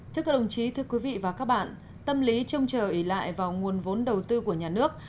thưa các đồng chí thưa quý vị và các bạn tâm lý trông chờ ý lại vào nguồn vốn đầu tư của nhà nước